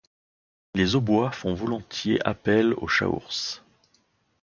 Les Aubois font volontiers appel au chaource.